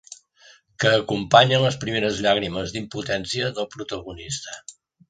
Que acompanya les primeres llàgrimes d'impotència del protagonista.